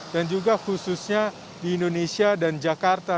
dan juga khususnya di indonesia dan jakarta